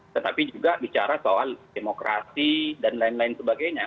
tetapi juga bicara soal demokrasi dan lain lain sebagainya